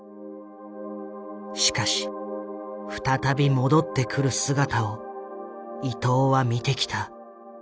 しかし再び戻ってくる姿をいとうは見てきた。